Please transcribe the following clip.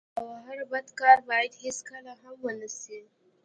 او هر بد کار بايد هيڅکله هم و نه سي.